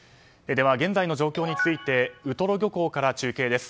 では現在の状況についてウトロ漁港から中継です。